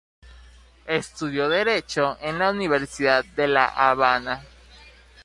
Estudió Derecho en la Universidad de La Habana.